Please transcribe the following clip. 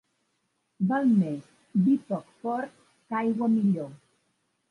Val més vi poc fort que aigua millor.